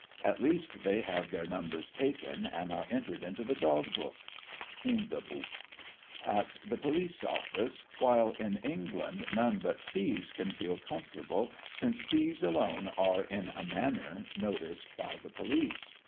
At least they have their numbers taken and are entered into the dog book (Hundebuch), at the police office, while in England none but thieves can feel comfortable, since thieves alone are in a manner noticed by the police."